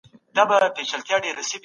مالیات په سمه توګه راټولیدل.